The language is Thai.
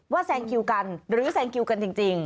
แซงคิวกันหรือแซงคิวกันจริง